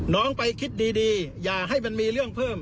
น้องไปคิดดีอย่าให้มันมีเรื่องเพิ่ม